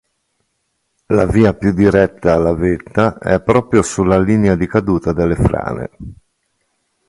La via più diretta alla vetta è proprio sulla linea di caduta delle frane.